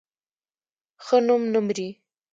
ښه نوم نه مري